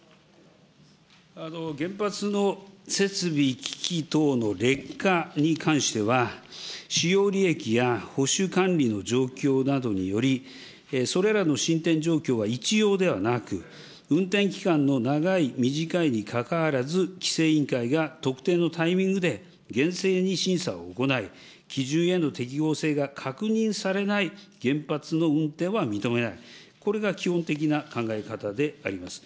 原発の設備機器等の劣化に関しては、使用履歴や保守管理の状況などにより、それらの進展状況は一様ではなく、運転期間の長い短いにかかわらず、規制委員会が特定のタイミングで厳正に審査を行い、基準への適合性が確認されない原発の運転は認めない、これが基本的な考え方であります。